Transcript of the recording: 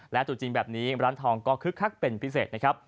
และตัวจริงแบบนี้ร้านทองก็คึกคักเป็นพิเศษนะครับ